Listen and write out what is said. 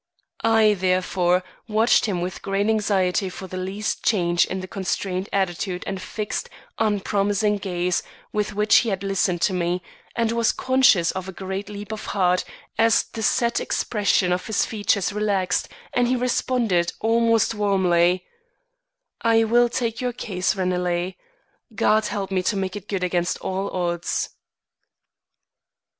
I, therefore, watched him with great anxiety for the least change in the constrained attitude and fixed, unpromising gaze with which he had listened to me, and was conscious of a great leap of heart as the set expression of his features relaxed, and he responded almost warmly: "I will take your case, Ranelagh. God help me to make it good against all odds."